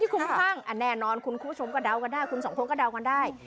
ที่คุงภ้างไม่แน่นอนคุณผู้ชมก็เดาได้คุณสองคนก็เดาได้